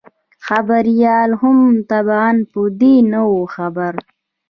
خبریال هم طبعاً په دې نه وو خبر.